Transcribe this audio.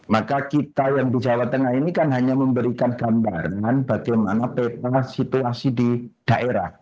maka kita yang di jawa tengah ini kan hanya memberikan gambaran bagaimana peta situasi di daerah